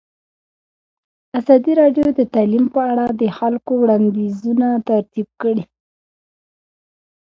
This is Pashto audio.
ازادي راډیو د تعلیم په اړه د خلکو وړاندیزونه ترتیب کړي.